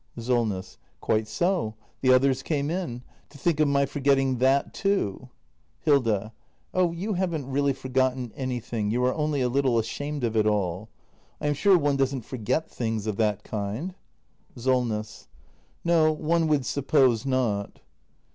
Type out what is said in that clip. Solness. Quite so! The others came in. To think of my for getting that too! Hilda. Oh, you haven't really forgotten anything: you are only a little ashamed of it all. I am sure one doesn't forget things of that kind. Solness. No, one would suppose not.